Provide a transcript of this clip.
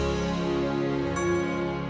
saya nanyanya sedikit